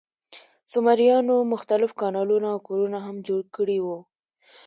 سومریانو مختلف کانالونه او کورونه هم جوړ کړي وو.